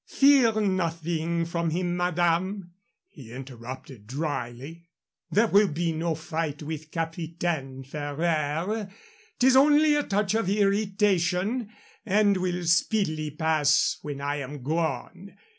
"Fear nothing for him, madame," he interrupted, dryly. "There will be no fight with Capitaine Ferraire. 'Tis only a touch of irritation and will speedily pass when I am gone."